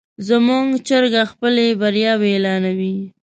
زموږ چرګه خپلې بریاوې اعلانوي.